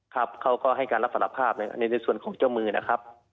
ครับเขาก็ให้การรับสารภาพในส่วนของเจ้ามือนะครับ